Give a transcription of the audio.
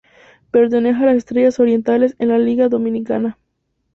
Pertenece a las Estrellas Orientales en la Liga Dominicana.